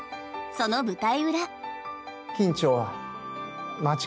その舞台裏。